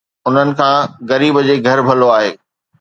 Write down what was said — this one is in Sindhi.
انهن کان غريب جي گهر ڀلو آهي